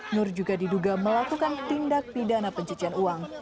nur juga diduga melakukan tindak pidana pencucian uang